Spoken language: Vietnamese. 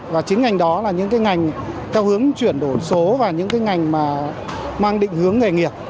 và chính ngành đó là những ngành theo hướng chuyển đổi số và những ngành mang định hướng nghề nghiệp